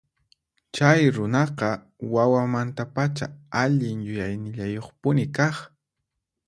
Chay runaqa wawamantapacha allin yuyaynillayuqpuni kaq.